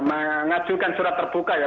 mengajukan surat terbuka ya